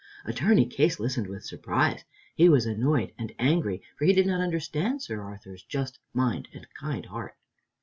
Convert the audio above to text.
Attorney Case listened with surprise. He was annoyed and angry, for he did not understand Sir Arthur's just mind and kind heart.